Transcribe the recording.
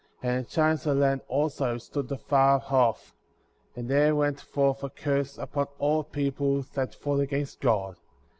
15. And the giants of the land, also, stood afar off; and there went forth a curse upon all people that fought against God; 16.